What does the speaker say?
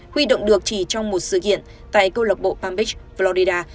huy động được chỉ trong một sự kiện tại cơ lộc bộ palm beach florida